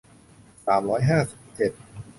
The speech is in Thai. สามร้อยห้าสิบเจ็ด